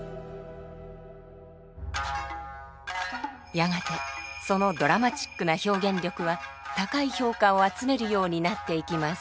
やがてそのドラマチックな表現力は高い評価を集めるようになっていきます。